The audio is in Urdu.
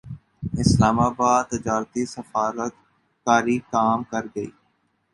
اسلام اباد تجارتی سفارت کاری کام کرگئی